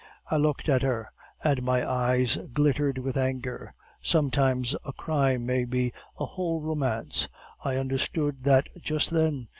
"I looked at her, and my eyes glittered with anger. Sometimes a crime may be a whole romance; I understood that just then.